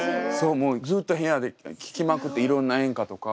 もうずっと部屋で聴きまくっていろんな演歌とか。